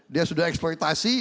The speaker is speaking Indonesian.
dia sudah eksploitasi